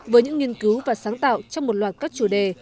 với những nghiên cứu và sáng tạo trong một loạt các chủ đề